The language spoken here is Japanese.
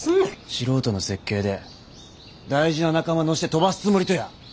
素人の設計で大事な仲間乗して飛ばすつもりとや？